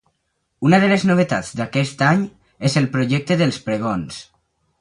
Una de les novetats d’aquest any és el projecte dels pregons.